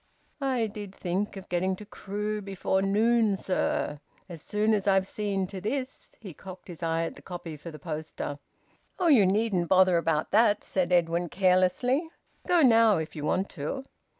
"I did think of getting to Crewe before noon, sir. As soon as I've seen to this " He cocked his eye at the copy for the poster. "Oh, you needn't bother about that," said Edwin carelessly. "Go now if you want to."